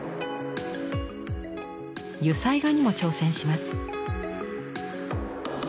油彩画にも挑戦します。